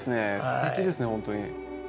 すてきですねほんとに。